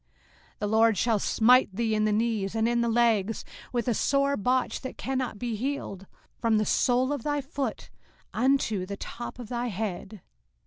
05:028:035 The LORD shall smite thee in the knees, and in the legs, with a sore botch that cannot be healed, from the sole of thy foot unto the top of thy head.